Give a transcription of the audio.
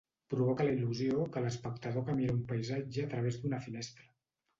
Provoca la il·lusió que l'espectador que mira un paisatge a través d'una finestra.